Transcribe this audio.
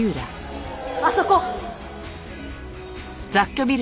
あそこ！